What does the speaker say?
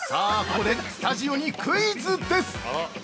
ここで、スタジオにクイズです！